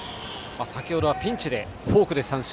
先程はピンチでフォークで三振。